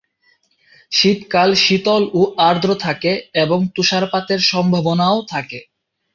শীতকাল শীতল ও আর্দ্র থাকে এবং তুষারপাতের সম্ভাবনাও থাকে।